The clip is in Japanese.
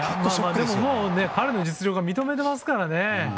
彼の実力は認めていますからね。